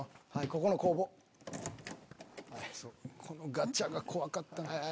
このガチャが怖かった。